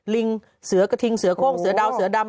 ลิงเสือกระทิงเสือโค้งเสือดาวเสือดำ